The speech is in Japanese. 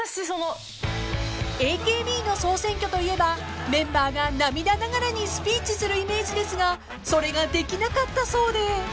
［ＡＫＢの総選挙といえばメンバーが涙ながらにスピーチするイメージですがそれができなかったそうで］